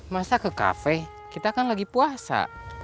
masa ke kafe kita kan lagi puasa